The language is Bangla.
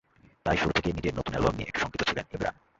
তাই শুরু থেকেই নিজের নতুন অ্যালবাম নিয়ে একটু শঙ্কিত ছিলেন ইমরান।